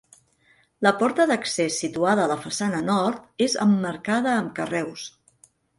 La porta d'accés situada a la façana nord és emmarcada amb carreus.